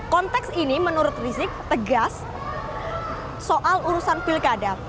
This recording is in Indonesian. konteks ini menurut rizik tegas soal urusan pilkada